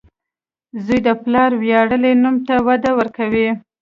• زوی د پلار ویاړلی نوم ته وده ورکوي.